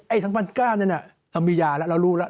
ไอ้๒๐๐๙นั้นน่ะมียาแล้วเรารู้แล้ว